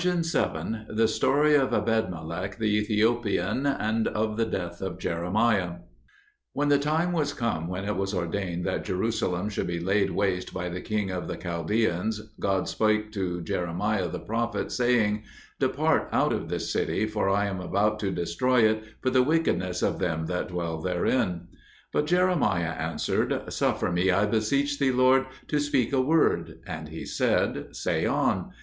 THE STORY OF EBEDMELECH THE ETHIOPIAN, AND OF THE DEATH OF JEREMIAH When the time was come when it was ordained that Jerusalem should be laid waste by the king of the Chaldeans, God spake to Jeremiah the prophet, saying, "Depart out of this city, for I am about to destroy it for the wickedness of them that dwell therein." But Jeremiah answered, "Suffer me, I beseech thee, Lord, to speak a word." And He said, "Say on."